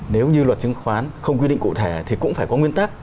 nếu như luật chứng khoán không quy định cụ thể thì cũng phải có nguyên tắc